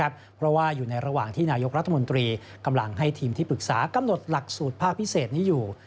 เพราะว่าอยู่ในระหว่างที่นายกรัฐมนตรีกำลังให้ทีมที่ปรึกษากำหนดหลักสูตรภาคพิเศษนี้อยู่